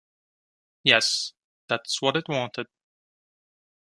Yes, that's what it wanted.